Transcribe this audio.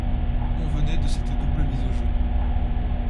Convenez de cette double mise au jeu.